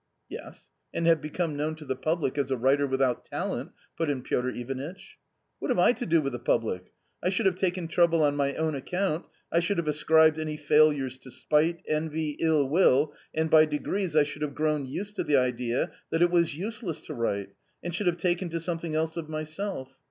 ,," Yes, and have become known to the public as a writer without talent, * put in Piotr Ivanitch. "What have I to do with the public? I should have taken trouble on my own account, I should have ascribed any failures to spite, envy, ill will, and by degrees I should have grown used to the idea that it was useless to write, and should have taken to something else of myself.